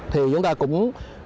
thì chúng ta cũng